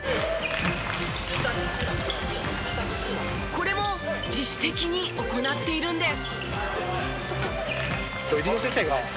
これも自主的に行っているんです。